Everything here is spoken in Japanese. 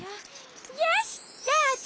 よしどうぞ！